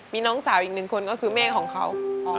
มีน้องสาวอีกหนึ่งคนก็คือแม่ของเขา